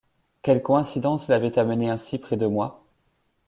Quelle coïncidence l’avait amenée ainsi près de moi ?